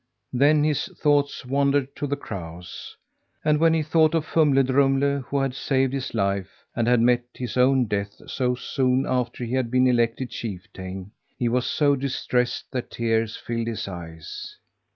Then his thoughts wandered to the crows. And when he thought of Fumle Drumle who had saved his life, and had met his own death so soon after he had been elected chieftain, he was so distressed that tears filled his eyes.